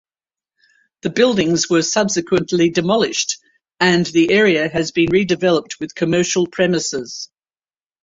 The buildings were subsequently demolished and the area has been redeveloped with commercial premises.